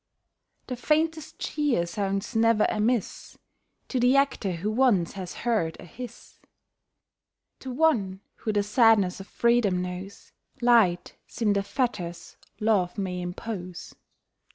The faintest cheer sounds never amiss To the actor who once has heard a hiss. To one who the sadness of freedom knows, Light seem the fetters love may impose.